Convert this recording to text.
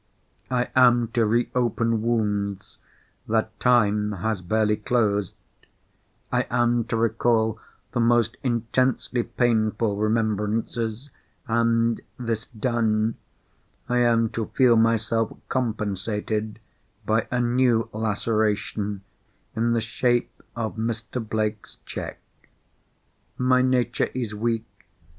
I am to re open wounds that Time has barely closed; I am to recall the most intensely painful remembrances—and this done, I am to feel myself compensated by a new laceration, in the shape of Mr. Blake's cheque. My nature is weak.